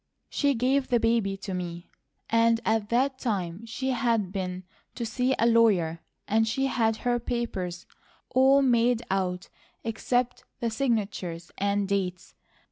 She gave the baby to me, and at that time she had been to see a lawyer, and had her papers all made out except the signatures and dates.